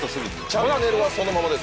チャンネルはそのままで。